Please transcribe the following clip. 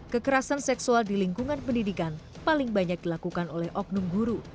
kekerasan seksual di lingkungan pendidikan paling banyak dilakukan oleh oknum guru